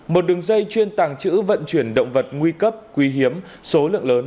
một đường dây chuyên tàng trữ vận chuyển động vật nguy cấp quý hiếm số lượng lớn